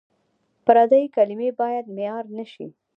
پردۍ کلمې باید معیار نه شي.